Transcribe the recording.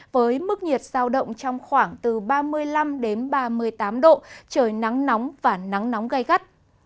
với mức nhiệt sao động trong khoảng từ ba mươi năm ba mươi tám độ trời nắng nóng và nắng nóng gai gắt